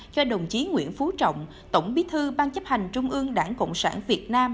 cho đồng chí nguyễn phú trọng tổng bí thư ban chấp hành trung ương đảng cộng sản việt nam